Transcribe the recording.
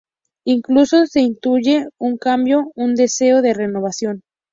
Incluso se intuye un cambio, un deseo de renovación.